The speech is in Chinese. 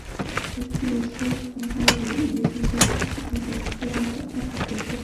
该剧是桐华与吴锦源这对经典制作档的二度合作。